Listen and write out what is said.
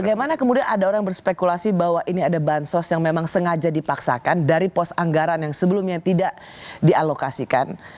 bagaimana kemudian ada orang berspekulasi bahwa ini ada bansos yang memang sengaja dipaksakan dari pos anggaran yang sebelumnya tidak dialokasikan